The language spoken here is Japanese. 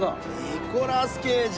ニコラス・ケイジ。